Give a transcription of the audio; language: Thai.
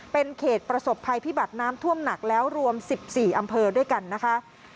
เป็นเขตประสบภัยพิบัติน้ำท่วมหนักแล้วรวม๑๔อำเภอด้วยกันนะคะ